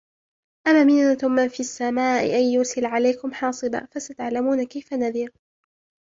أَمْ أَمِنْتُمْ مَنْ فِي السَّمَاءِ أَنْ يُرْسِلَ عَلَيْكُمْ حَاصِبًا فَسَتَعْلَمُونَ كَيْفَ نَذِيرِ